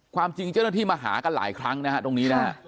ความจริงเจ้าหน้าที่มาหากันหลายครั้งนะฮะตรงนี้นะฮะ